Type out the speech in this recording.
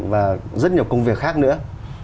và rất nhiều công việc khác nữa